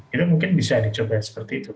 itu mungkin bisa dicoba seperti itu